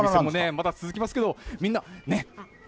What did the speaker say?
まだまだ続きますけれども、みんな、ね。